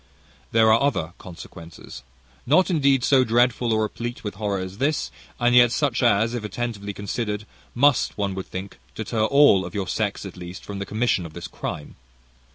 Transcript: "There are other consequences, not indeed so dreadful or replete with horror as this; and yet such, as, if attentively considered, must, one would think, deter all of your sex at least from the commission of this crime.